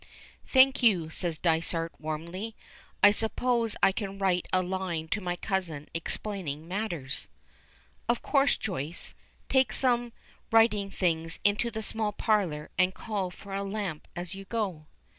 "Thank you," says Dysart warmly. "I suppose I can write a line to my cousin explaining matters." "Of course. Joyce, take some writing things into the small parlor, and call for a lamp as you go."